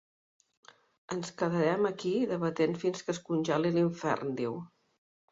Ens quedarem aquí debatent fins que es congelil’infern, diu.